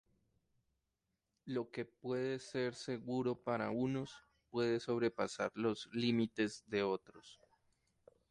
Lo que puede ser seguro para unos, puede sobrepasar los límites de otros.